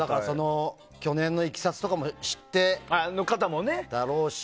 去年のいきさつとかも知ってるだろうし。